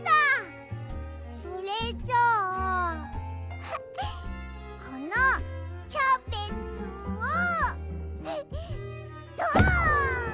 それじゃあこのキャベツをドン！